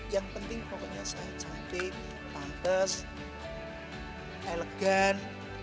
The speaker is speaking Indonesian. yang penting pokoknya saya cantik pantes elegan